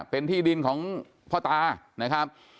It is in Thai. เป็นที่ดินของพ่อตานะครับ